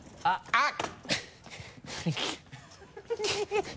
あっ！